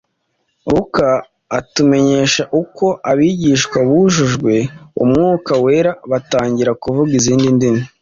Luka atumenyesha uko abigishwa bujujwe Umwuka Wera batangira kuvuga izindi ndimi